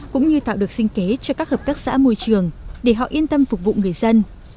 cũng như tạo được sinh kế cho các hợp tác xã môi trường để họ yên tâm phục vụ người dân